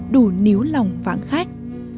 đủ níu lòng phản khách